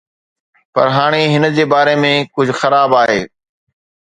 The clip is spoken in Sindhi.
پر هاڻي هن جي باري ۾ ڪجهه خراب آهي